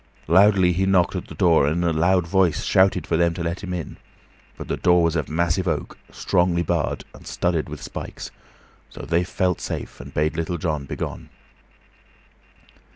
Loudly he knocked at the door, and in a loud voice shouted for them to let him in, but the door was of massive oak, strongly barred, and studded with spikes, so they felt safe, and bade Little John begone.